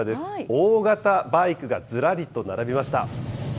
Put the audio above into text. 大型バイクがずらりと並びました。